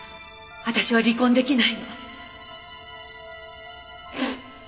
私は離婚出来ないの。